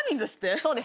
そうです。